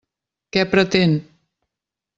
Què pretén?